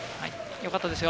よかったですよ。